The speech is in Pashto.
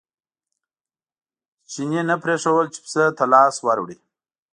چیني نه پرېښودل چې پسه ته لاس ور وړي.